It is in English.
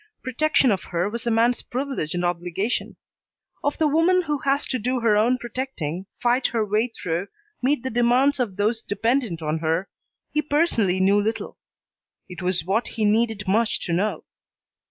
Protection of her was a man's privilege and obligation. Of the woman who has to do her own protecting, fight her way through, meet the demands of those dependent on her, he personally knew little. It was what he needed much to know.